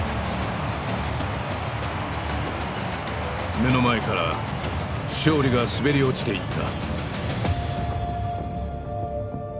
目の前から勝利が滑り落ちていった。